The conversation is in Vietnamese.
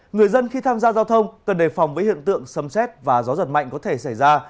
người dân khi tham gia giao thông cần đề phòng với hiện tượng sâm xét và gió giật mạnh có thể xảy ra